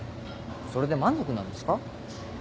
それで満足なんですか？